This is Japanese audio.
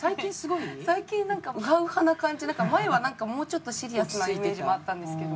最近なんかウハウハな感じなんか前はもうちょっとシリアスなイメージもあったんですけど。